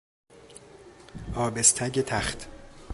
آبستگ تخت